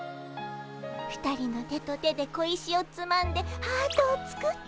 ２人の手と手で小石をつまんでハートを作って。